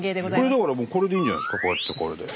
だからもうこれでいいんじゃないですかこうやってこれで。